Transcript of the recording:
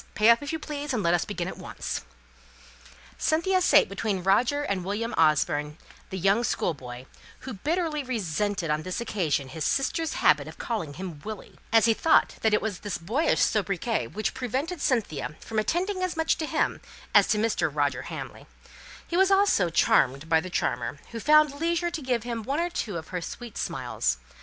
Pay up, if you please, and let us begin at once." Cynthia sate between Roger and William Orford, the young schoolboy, who bitterly resented on this occasion his sisters' habit of calling him "Willie," as he thought it was this boyish sobriquet which prevented Cynthia from attending as much to him as to Mr. Roger Hamley; he also was charmed by the charmer, who found leisure to give him one or two of her sweet smiles.